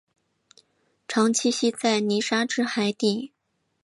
常栖息在泥沙质海底。